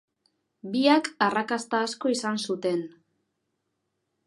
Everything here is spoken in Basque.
Biak arrakasta asko izan zuten.